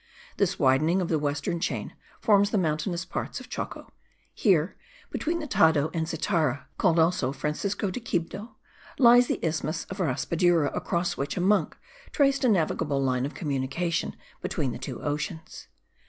This widening of the western chain forms the mountainous part of Choco: here, between the Tado and Zitara, called also Francisco de Quibdo, lies the isthmus of Raspadura, across which a monk traced a navigable line of communication between the two oceans.